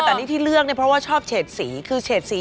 แต่นี่ที่เลือกเนี่ยเพราะว่าชอบเฉดสี